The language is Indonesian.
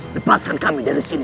lepaskan kami dari sini